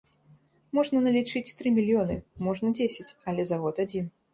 Можна налічыць тры мільёны, можна дзесяць, але завод адзін.